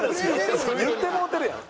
言ってもうてるやん。